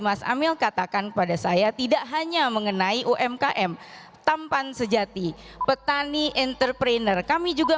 mas amil katakan kepada saya tidak hanya mengenai umkm tampan sejati petani entrepreneur kami juga